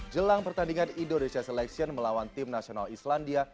jelang pertandingan indonesia selection melawan tim nasional islandia